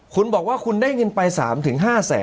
คุณบอกว่าคุณได้เงินไป๓๕แสน